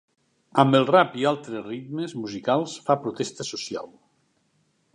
Amb el rap i altres ritmes musicals fa protesta social.